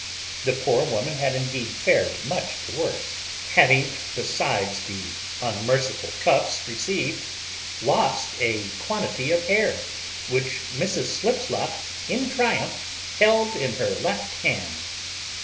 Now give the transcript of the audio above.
The poor woman had indeed fared much the worst; having, besides the unmerciful cuffs received, lost a quantity of hair, which Mrs Slipslop in triumph held in her left hand.